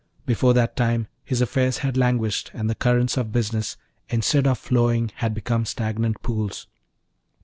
Before that time his affairs had languished, and the currents of business instead of flowing had become stagnant pools.